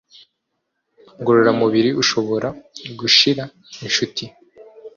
ngororamubiri ushobora gushira inshuti